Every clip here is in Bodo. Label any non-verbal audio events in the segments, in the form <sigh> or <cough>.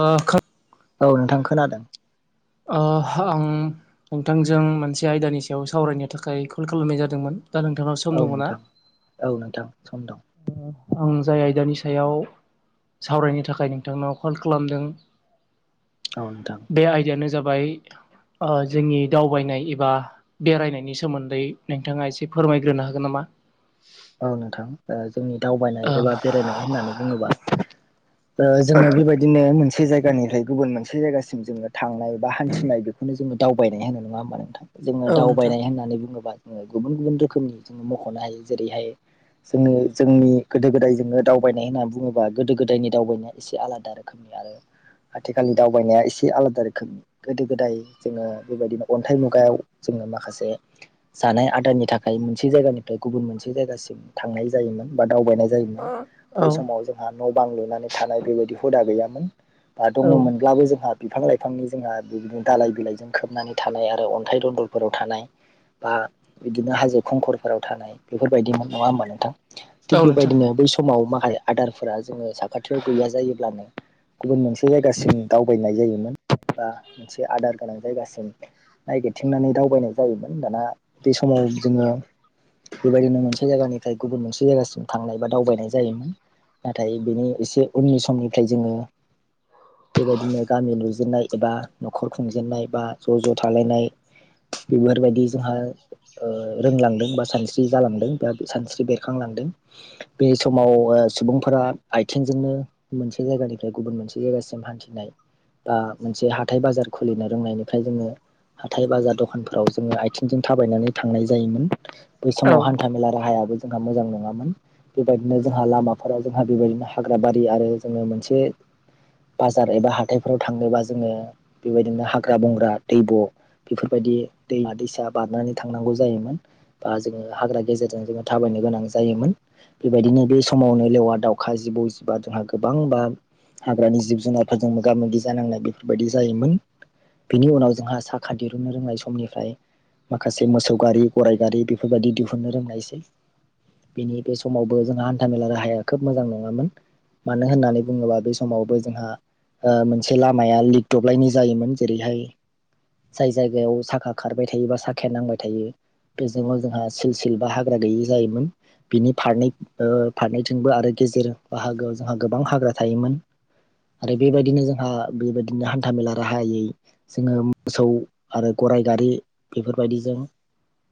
ओ खा औ नोंथां खोनादों। ओ आं नोंथांजों मोनसे आयदानि सायाव सावरायनो थाखाय कल खालामनाय जादोंमोन। दा नोंथांनाव औ सम दङ ना? नोंथां औ नोंथां सम दं ओ आं जाय आयदानि सायाव सावरायनो थाखाय नोंथांनाव कल खालामदों। औ नोंथां। बे आयदायानो जाबाय ओ जोंनि दावबायनाय एबा बेरायनायनि सोमोन्दै नोंथाङा एसे फोरमायग्रोनो हागोन नामा? औ नोंथां। ओ जोंनि दावबायनाय ओ एबा बेरायनाय होननानै बुङोबा ओ जोङो बेबायदिनो मोनसे जायगानिफ्राय गुबुन मोनसे जायगासिम जोङो थांनाय बा हान्थिनाय बेखौनो जोङो दावबायनाय होनो नङा होमबा नोंथां? जोङो दावबायनाय होननानै बुङोबा ओ गुबुन गुबुन रोखोमनि जोङो मख'नो हायो जेरैहाय जोनि जोंनि गोदो गोदाय जोङोनो दावबायनाय होनना बुङोबा गोदो गोदायनि दावबायनाय एसे आलादा रोखोमनि आरो आथिखालनि दावबायनाया एसे आलादा रोखोमनि गोदो गोदाय जोङो बेबायदिनो अन्थाइ मुगायाव जोङो माखासे जानाय आदारनि थाखाय मोनसे जायगानिफ्राय गुबुन मोनसे बे जायगासिम थांनाय जायोमोन बा दावबायनाय जायोमोन। बै औ समाव जों ओ न' बां लुनानै थानाय बेबायदि हुदा गैयामोन बा औ दङमोनब्लाबो जोंहा बिफां लाइफांनि जोंहा बिदिनो दालाय बिलाइजों खोबनानै थानाय आरो अन्थाइ दन्दरफोराव थानाय बा बिदिनो हाजो खंखरफोराव थानाय बेफोरबायदिमोन नङा होमबा नोंथां? थिग औ नोंथां बेबायदिनो बै समाव माखा आदारफोरा जोङो साखाथियाव गैया जायोब्लानो गुबुन मोनसे जायगासिम दावबायनाय जायोमोन बा मोनसे आदार गोनां जायगासिम नायगिरथिंनानै दावबायनाय जायोमोन, दाना बे समाव जोङो बेबायदिनो मोनसे जायगानिफ्राय गुबुन मोनसे जायगासिम थांनाय बा दावबायनाय जायोमोन। नाथाय बेनि एसे उननि समनिफ्राय जोङो बेबायदिनो गामि लुजेनन्नाय एबा न'खर खुंजेनन्नाय बा ज' ज' थालायनाय बेफोरबायदि जोंहा ओ रोंलांदों बा सान स्रि जालांदों बे बा सानस्रि बेरखांलांदों। बे समाव ओ सुबुंफोरा आथिंजोंनो मोनसे जायगानिफ्राय गुबुन मोनसे जायगासिम हान्थिनाय बा मोनसे हाथाइ बाजार खुलिनो रोंनायनिफ्राय जोङो हाथाय, बाजार, दखानफोराव जोङो आथिंजों थाबायनानै थांनाय जायोमोन। बै औ समाव हान्था मेला राहायाबो जोङा मोजां नङामोन। बेबायदिनो जोंहा लामाफोरा जोंहा बेबायदिनो हाग्रा बारि आरो जोङो मोनसे बाजार एबा हाथायफोराव थानोबा जोङो बेबायदिनो हाग्रा बंग्रा दैब' बेफोरबायदि दैमा दैसा बारनानै थांनांगौ जायोमोन। बा जोङो हाग्रा गेजेरजों जोङो थाबायनो गोनां जायोमोन। बेबायदिनो बे समावनो लेवार, दाउखा, जिबौ जिबा जोंहा गोबां बा हाग्रानि जिब जुनारफोरजों मोगा मोगि जानांनाय बेफोरबायदि जायोमोन। बिनि उनाव जोंहा साखा दिरुननो रोंनाय समनिफ्राय माखासे मोसौ गारि गराइ गारि बेफोरबायदि दिहुननो रोंनायसै। बिनि बे समावबो जोंहा हान्थामेला राहाया खोब मोजां नङामोन। मानो होननानै बुङोबा बे समावबो जोंहा ओ मोनसे लामाया लिक दब्लायनि जायोमोन जेरैहाय जाय जायगायाव साखा खारबाय थायोबा साखाया नांबाय थायो <unintelligible> जोंहा सिल सिल बा हाग्रा गैयि जायोमोन। बिनि फारनै ओ फारनैथिंबो आरो गेजेर बाहागोआव जोंहा गोबां हाग्रा थायोमोन। आरो बेबायदिनो जोंहा बेबायदिनो हान्था मेला राहायै जोङो मोसौ आरो गराइ गारि बेफोरबायदिजों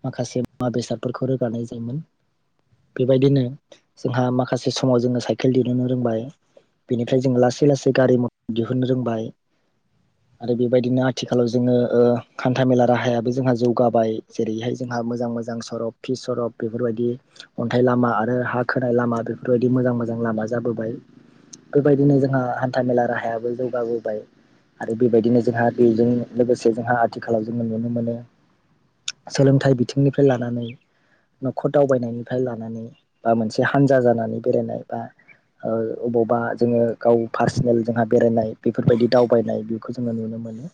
माखासे मुवा बेसादफोरखौ रोगानाय जायोमोन। बेबायदिनो जोंहा माखासे समाव जोङो साइकेल दिरुननो रोंबाय। बिनिफ्राय जों लासै-लासै गारि म दिहुननो रोंबाय। आरो बेबायदिनो आथिखालाव जोङो ओ खान्था मेला राहायाबो जोंहा जौगाबाय जेरैहाय जोंहा मोजां-मोजां सरब फि सरब बेफोरबायदि अन्थाइ लामा आरो हा खोनाय लामा बेफोरबायदि मोजां-मोजां लामा जाबोबाय। फोरबायदिनो जोंहा हान्था मेला राहायाबो जौगाबोबाय। आरो बेबायदिनो जोंहा बेजों लोगोसे जोंहा आथिखालाव जोङो नुनो मोनो सोलोंथाइ बिथिंनिफ्राय लानानै न'खर दावबायनायनिफ्राय लानानै बा मोनसे हानजा जानानै बेरायनाय बा ओ अबावबा जोङो गाव पारसेनेल जोंहा बेरायनाय बेफोरबायदि दावबायनाय बेखौ जोङो नुनो मोनो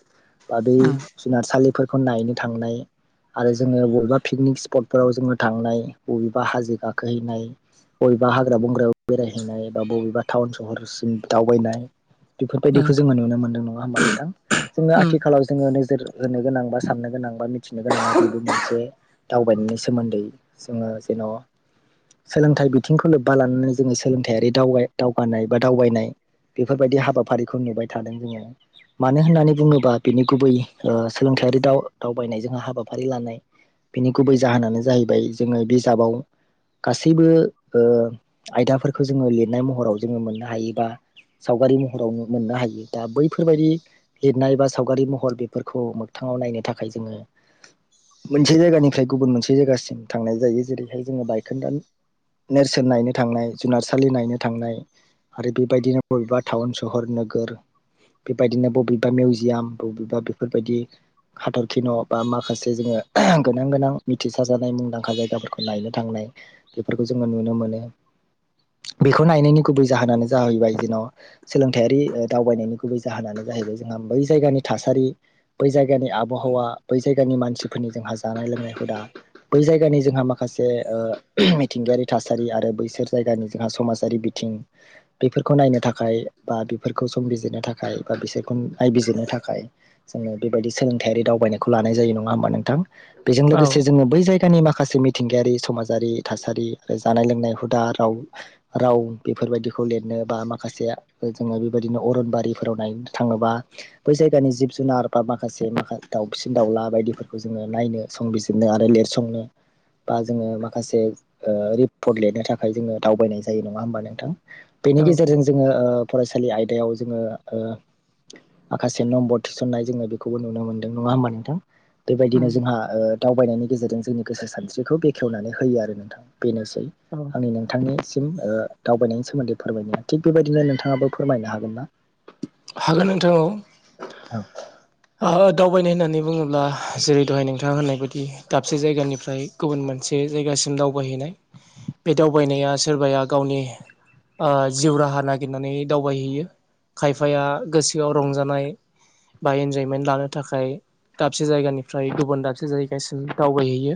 बा बे उम जुनारसालिफोरखौ नायनो थांनाय आरो ज जोङो बबेबा फिकनिक स्पटफोराव जोङो थांनाय बबेबा हाजो गाखोहैनाय बबेबा हाग्रा बंग्रायाव बेरायहैनाय बा बबेबा थाउन सहरसिम दावबायनाय उम बेफोरबायदिखौ जोङो नुनो मोनदों नङा होमबा नोंथां जोङो उम आथिखालाव जोङो नोजोर होनो गोनां बा साननो गोनां बा मिथिनो गोनां आरो बेबो मोनसे दावबायनायनि सोमोन्दै जोङो जेन' सोलोंथाइ बिथिंखौ लोब्बा लानानै जोङो सोलोंथायारि दावगाय दावगानाय बा दावबायनाय बेफोरबायदि हाबाफारिखौ नुबाय थादों जोङो। मानो होननानै बुङोब्ला बिनि गुबै ओ सोलोंथायारि दाव दावबायनाय जों हाबा फारि लानाय बिनि गुबै जाहोनानो जाहैबाय जोङो बिजाबाव गासैबो ओ आयदाफोरखौ जोङो लिरनाय महराव जोङो मोननो हायोबा सावगारि महराव मोननो हायो दा बैफोरबायदि लिरनाय बा सावगारि महर बेफोरखौ मोगथाङाव नायनो थाखाय जोङो मोनसे जायगानिफ्राय गुबुन मोनसे जायगासिम थांनाय जायो जेरैहाय जोङो बायखोनदानि नेरसोन नायनो थांनाय जुनारसालि नायनो थांनाय। आरो बेबायदिनो बबेबा थाउन सहर नोगोर। बेबायदिनो बबेबा मेउजियाम बबेबा बेफोरबायदि हाथरखि न' बा मा खासे जोङो गोनां-गोनां मिथिसार जानाय मुंदांखा जायगाफोरखौ नायनो थांनाय बेफोरखौ जोङो नुनो मोनो बेखौ नायनायनि गुबै जाहोनानो जाहैबाय जेन' सोलोंथायारि ओ दावबायनायनि गुबै जाहोनानो जाहैबाय जोंहा बै जायगानि थासारि बै जायगानि आबहावा बै जायगानि मानसिफोरनि जोंहा जानाय लोंनाय हुदा। बै जायगानि जोंहा माखासे ओ मिथिंगायारि थासारि आरो बैसोर जायगानि जोंहा समाजारि बि थिं बेफोरखौ नायनो थाखाय बा बेफोरखौ संबिजिरनो थाखाय बा बिसोरखौ नायबिजिरनो थाखाय जोंङो बेबायदि सोलोंथायारि दावबायनायखौ लानाय जायो नङा होमबा नोंथां? बेजों औ लोगोसे जोंङो बै जायगानि माखासे मिथिंगायारि समाजारि थासारि जानाय लोंनाय हुदा राव राव बेफोरबायदिखौ लिरनो बा माखासे दाय जोंङो बेबायदिनो अरनबारिफोराव नायनो थांङोबा बै जायगानि जिब जुनार बा माखासे माखा दाउ सिन दाउला बायदिफोरखौ जोंङो नायनो संबिजिरनो आरो लिरसंनो बा जोंङो माखासे ओ रिपर्ट लिरनो थाखाय जोंङो दावबायनाय जायो नंङा होमबा नोंथां बेनि गेजेरजों जों जोंङो ओ फरायसालि आयदायाव जोंङो ओ माखासे नम्बर थिसननाय जोङो बेखौबो नुनो मोनदों नङा होमबा नोंथां? बेबायदिनो उम जोंहा ओ दावबायनायनि गेजेरजों जोंनि गोसो सानस्रिखौ बेखेवनानै होयो आरो नोंथां। बेनोसै औ आंनि नोंथांनिसिम ओ दावबायनायनि सोमोन्दै फोरमायनाया थिग बेबायदिनो नोंथाङाबो फोरमायनो हागोन ना? हागोन नोंथां औ औ ओहो दावबायनाय होननानै बुङोब्ला जेरै दहाय नोंथाङा होननाय बायदि दाबसे जायगानिफ्राय गुबुन मोनसे जायगासिम दावबायहैनाय। बे दावबायनाया सोरबाया गावनि। ओ जिउ राहा नागिरनानै दावबायहैयो खायफाया गोसोआव रंजानाय। बाय जायो। खमेन लानो थाखाय दाबसे जायगानिफ्राय गुबुन दाबसे जायगासिम दावबायहैयो।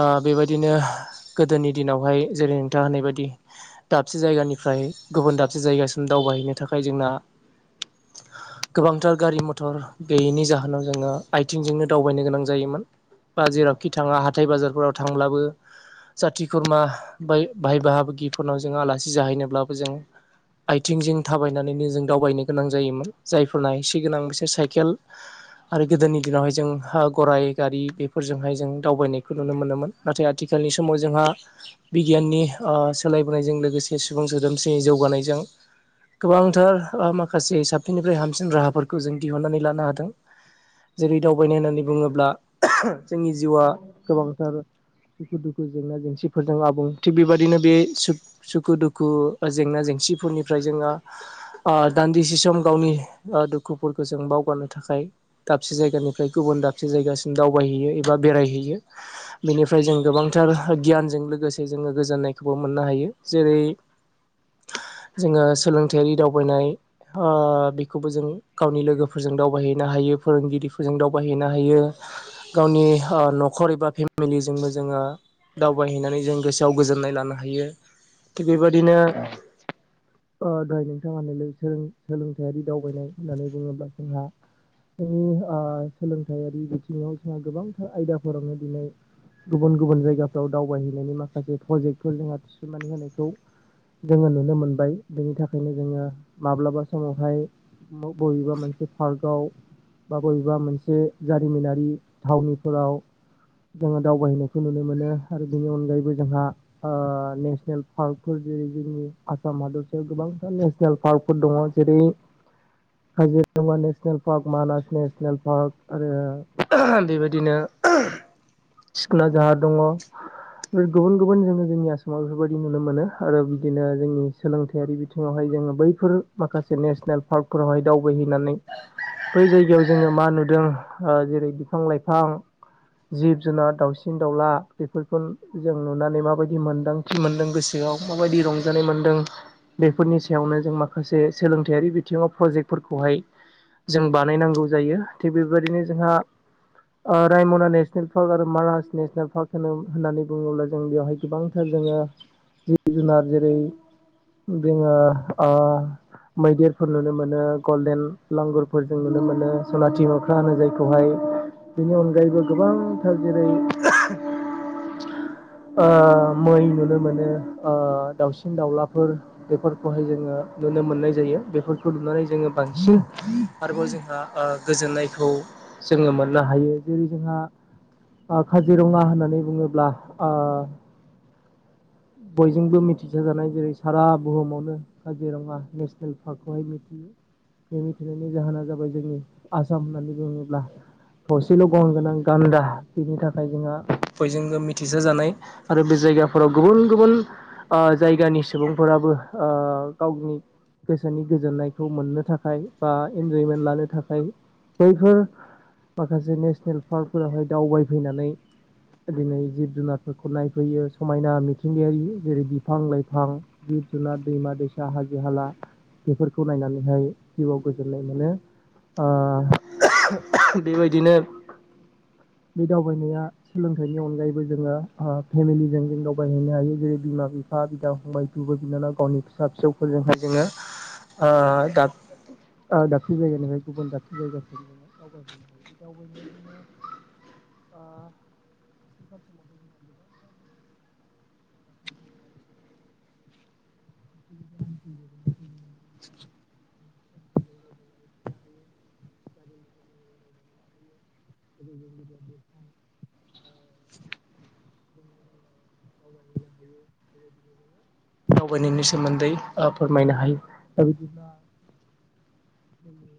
ओ बेबायदिनो गोदोनि दिनावहाय जेरै नोंथाङा होननाय बायदि दाबसे जायगानिफ्राय गुबुन दाबसे जायगासिम दावबायहैनो थाखाय जोंना। गोबांथार गारि मथर गैयैनि जाहोनाव जोङो आयथिंजोंनो दावबायनो गोनां जायोमोन। बा जेरावखि थाङा हाथाय बाजारफोराव थांब्लाबो जाथि खुरमा बाय बाहाय बाहागिबिफोरनाव जों आलासि जाहैनोब्लाबो जों। आथिंजों थाबायनानैनो जों दावबायनो गोनां जायोमोन जायफोरना एसे गोनां बिसोर साइ केल आरो गोदोनि दिनावहाय जों गराइ गारि बेफोरजोंहाय जों दावबायनायखौ नुनो मोनोमोन नाथाय आथिखालनि समाव जोंहा। बिगियाननि आ सोलायबोनायजों लोगोसे सुबुं सोदोमस्रि जौगानायजों गोबांथार ओ माखासे साबसिननिफ्राय हामसिन राहाफोरखौ जों दिहुनन्नानै लानो हादों। जेरै दावबायनाय होननानै बुङोब्ला जोंनि जिउआ गोबांथार सुखु दुखु, जेंना जेंसिफोरजों आबुं थिग बेबायदिनो बे सु सुखु दुखु जेंना जेंसिफोरनिफ्राय जोङो ओ दान्दिसे सम गावनि ओ दुखुफोरखौ जों बाव जौगानो थाखाय दाबसे जायगानिफ्राय गुबुन दाबसे जायगासिम दावबायहैयो एबा बेरायहैयो बेनिफ्राय जों गोबांथार गियानजों लोगोसे जोङो गोजोननायखौबो मोननो हायो जेरै <inaudible> जोङो सोलोंथारि दावबायनाय ओ बेखौबो जों गावनि लोगो फोरजों दावबायहैनो हायो फोरोंगिरिफोरजों दावबायहैनो हायो। गावनि ओ न'खर एबा फेमिलिजोंबो जोङो। दावबायहैनानै जों गोसोआव गोजोननाय लानो हायो थिग बेबादिनो। औ ओ दाय नोंथाङा नलैथो सोलोंथायारि दावबायनाय होननानै बुङोब्ला जोंहा। जोंनि आ सोलोंथायारि बिथिङाव जोंहा गोबांथार आयदाफोरावनो दिनै। गुबुन गुबुन जायगाफ्राव दावबायहैनायनि माखासे प्रजेक्टफोर जोंहा थिसननानै होनायखौ। जोङो नुनो मोनबाय बेनि थाखायनो जोङो माब्लाबा समावहाय बबेबा मोनसे। बा बबेबा मोनसे जारिमिनारि थावनिफोराव जोङो दावबायहैनायखौ नुनो मोनो आरो बेनि अनगायैबो जोंहा ओ नेसनेल पार्कफोर जेरै जोंनि आसाम हादरसायाव गोबांथा नेसनेल पार्क फोर दङ जेरै Kaziranga national park Manas national park आरो बेबायदिनो सिखोना जाहार दङ गुबुन गुबुन जोङो जोंनि आसामाव बेफोरबायदि नुनो मोनो आरो बिदिनो जोंनि सोलोंथायारि बिथिङावहाय जोङो बैफोर माखासे नेसनेल पार्कफोरावहाय दावबायहै नानै बै जायगायाव जोङो मा नुदों ओ जेरै बिफां लाइफां जिब जुनार दाउसिन दाउला बेफोरखौन जों नुनानै माबायदि मोन्दां थि मोनदों गोसोआव माबायदि रंजानाय मोन्दों बेफोरनि सायावनो जों माखासे सोलोंथायारि बिथिङाव प्रजेक्टफोरखौहाय जों बानायनांगौ जायो थिग बेबायदिनो जोंहा ओ रायमना नेसनेल पार्क आरो मानास नेसनेल पार्क होनो होननानै बुङोब्ला जों बेयावहाय गोबांथार जोङो जिब जुनार जेरै जोङो ओ मैदेरफोर नुनो मोनो गल्डेन लांगुरफोर जों नुनो मोनो सनाथि मोख्रा होनो जायखौहाय बेनि अनगायैबो गोबांथार जेरै <unintelligible> ओ मै नुनो मोनो ओ दाउसिन दाउलाफोर बेफोरखौहाय जोङो नुनो मोननाय जायो बेफोरखौ नुनानै जोङो बांसिन आरोबाव जोंहा ओ गोजोननायखौ जोङो मोननो हायो जेरै जोंहा आ खाजिरङा होननानै बुङोब्ला आ <unintelligible> बयजोंबो मिथिसाजानाय जेरै सारा बुहुमावनो काजिरङा नेसनेल पार्कखौहाय मिथियो बे मिथिनायनि जाहोना जाबाय जोंनि आसाम होननानै बुङोब्ला थसेल' गं गोनां गान्दा बिनि थाखाय जोंहा बयजोंबो मिथिसा जानाय आरो बे जायगाफोराव गुबुन गुबुन ओ जायगानि सुबुंफोराबो ओ गावनि गोसोनि गोजोननायखौ मोननो थाख खाय बा इन्जयमेन्ट लानो थाखाय बैफोर माखासे नेसनेल पार्कफोरावहाय दावबायफैनानै दिनै जिब जुनारफोरखौ नायफैयो समायना मिथिंगायारि जेरै बिफां लाइफां जिब जुनार दैमा दैसा हाजो हाला बिफोरखौ नायनानैहाय जिउआव गोजोननाय मोनो ओ बेबायदिनो बे दावबायनाया सोलोंथाइनि अनगायैबो जोङो आ फेमिलिजों जों दावबायहैनो हायो जेरै बिमा बिफ फा बिदा फंबाय बिब' बिनानाव गावनि फिसा फिसौफोरजोंहाय जोङो ओ दा ओ दाबसे जायगानिफ्राय गुबुन दाबसे जायगासिम जोङो दावबायहैनो हायो बे दावबायनायाव जोङो आ आथिखाल समावहाय जोङा <unintelligible> <inaudible> <unintelligible> <inaudible> <unintelligible> <inaudible> <inaudible> हायो <unintelligible> बेबायदिनो जोङो दावबायनायनि सोमोन्दै ओ फोरमायनो हायो दा बिदिब्ला जोंनि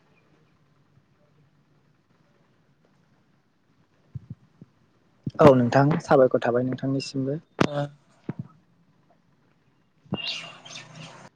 <inaudible> <inaudible> औ नोंथां साबायखर थाबाय नोंथांनिसिमबो। <unintelligible> <unintelligible>